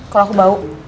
kalau aku bau